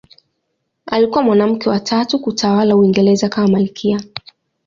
Alikuwa mwanamke wa tatu kutawala Uingereza kama malkia.